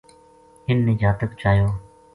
اِن نے جاتک چایو